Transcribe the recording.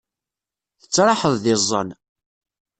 Tettraḥeḍ d iẓẓan.